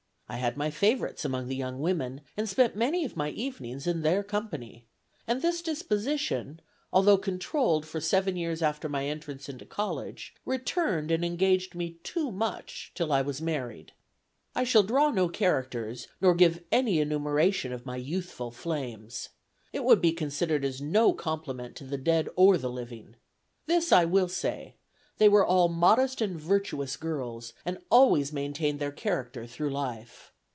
I had my favorites among the young women, and spent many of my evenings in their company; and this disposition, although controlled for seven years after my entrance into college, returned and engaged me too much till I was married. "I shall draw no characters, nor give any enumeration of my youthful flames. It would be considered as no compliment to the dead or the living. This, I will say: they were all modest and virtuous girls, and always maintained their character through life.